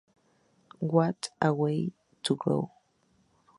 What a Way to Go!